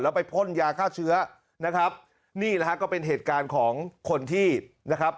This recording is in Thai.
ไปพ่นยาฆ่าเชื้อนะครับนี่แหละฮะก็เป็นเหตุการณ์ของคนที่นะครับ